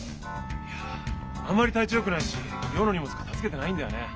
いやあんまり体調よくないし寮の荷物片づけてないんだよね。